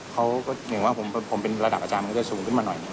อย่างว่าผมเป็นระดับอาจารย์มันก็จะสูงขึ้นมาหน่อย